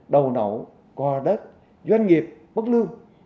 đầu nổ qua đất doanh nghiệp bất lương